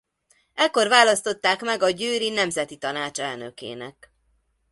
Ekkor választották meg a győri Nemzeti Tanács elnökének.